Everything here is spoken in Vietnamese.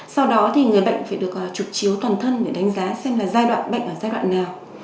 sau đó thì người bệnh phải được chụp chiếu toàn thân để đánh giá xem là giai đoạn bệnh ở giai đoạn nào